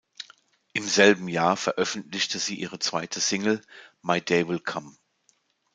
Im selben Jahr veröffentlichte sie ihre zweite Single "My Day Will Come".